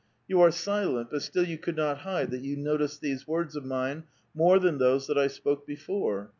" You are silent, but still you could not hide that you noticed these words of mine more than those that I spoke before.